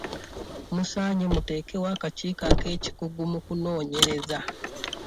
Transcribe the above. Musaanye muteekewo akakiiko ak'ekikugu mu kunoonyereza.